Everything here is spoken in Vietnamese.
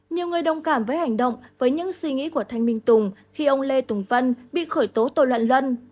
nhiều người đồng cảm với hành động với những suy nghĩ của thanh minh tùng khi ông lê tùng vân bị khởi tố tội loạn luân